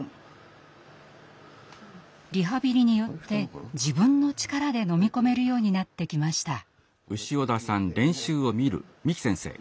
リハビリによって自分の力で飲み込めるようになってきました。